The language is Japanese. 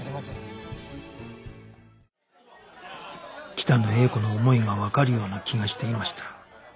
北野英子の思いがわかるような気がしていました